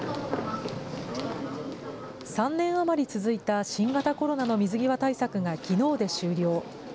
３年余り続いた新型コロナの水際対策がきのうで終了。